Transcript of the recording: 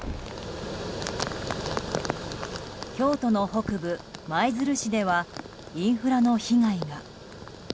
京都の北部、舞鶴市ではインフラの被害が。